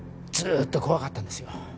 ずっと怖かったんですよ。